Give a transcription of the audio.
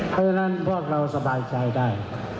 เพราะฉะนั้นพวกเราสบายใจได้